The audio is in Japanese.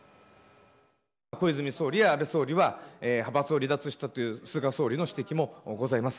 小泉総理や安倍総理は、派閥を離脱したという菅総理の指摘もございます。